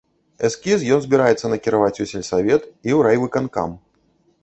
Эскіз ён збіраецца накіраваць у сельсавет і ў райвыканкам.